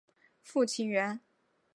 父亲袁。